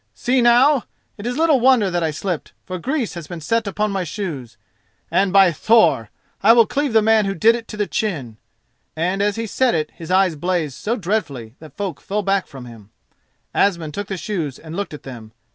See now! it is little wonder that I slipped, for grease has been set upon my shoes—and, by Thor! I will cleave the man who did it to the chin," and as he said it his eyes blazed so dreadfully that folk fell back from him. Asmund took the shoes and looked at them.